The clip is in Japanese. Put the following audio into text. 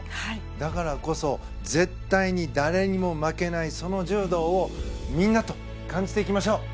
だからこそ絶対に誰にも負けないその柔道をみんなと感じていきましょう！